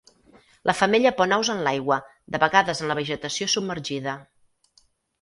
La femella pon ous en l'aigua, de vegades en la vegetació submergida.